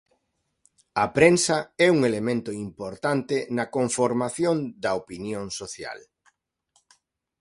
A prensa é un elemento importante na conformación da opinión social.